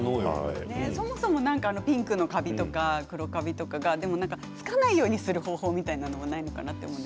そもそもピンクの壁とか黒カビとかつかないようにする方法みたいなのはないのかなって。